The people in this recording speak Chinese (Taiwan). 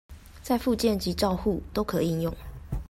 在復健及照護都可應用